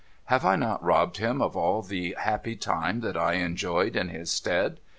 Have I not robbed him of all the happy time that I enjoyed in his stead ?